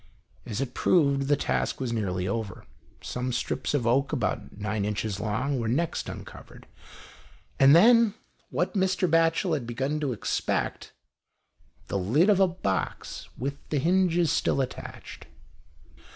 As it proved, the task was nearly over. Some strips of oak about nine inches long, were next uncovered, and then, what Mr. Batchel had begun to expect, the lid of a box, with the hinges still attached.